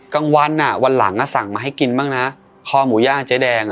กลางวันอ่ะวันหลังสั่งมาให้กินบ้างนะคอหมูย่างเจ๊แดงอ่ะ